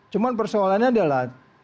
cuma persoalannya adalah